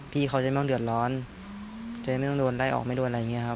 พี่เขาจะไม่ต้องเดือดร้อนจะไม่ต้องโดนไล่ออกไม่โดนอะไรอย่างนี้ครับ